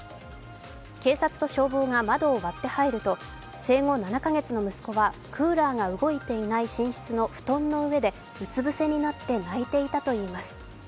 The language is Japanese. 警察と消防が窓を割って入ると生後７カ月の息子はクーラーが動いていない寝室の布団の上でうつ伏せになって泣いていたといいます。